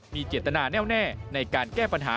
มีเจตนาแน่วแน่ในการแก้ปัญหา